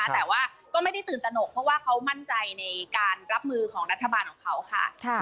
แต่ว่าก็ไม่ได้ตื่นตนกเพราะว่าเขามั่นใจในการรับมือของรัฐบาลของเขาค่ะ